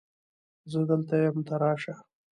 زه دلته یم ته راشه